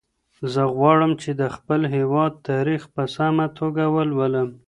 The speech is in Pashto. زه غواړم چې د خپل هېواد تاریخ په سمه توګه ولولم.